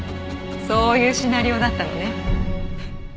そういうシナリオだったのね。